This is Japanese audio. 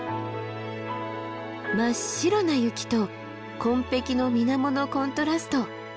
真っ白な雪と紺碧の水面のコントラスト。